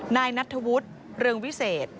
นายนัทธวุฒิเรืองวิเศษ